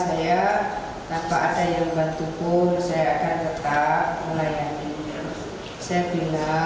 saya bilang tolong kalau komitmen itu memang kuat terbantu pada cak budi